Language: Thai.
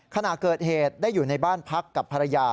ขณะเกิดเหตุได้อยู่ในบ้านพักกับภรรยา